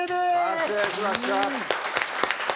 完成しました。